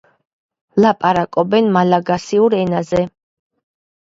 ლაპარაკობენ მალაგასიურ ენაზე.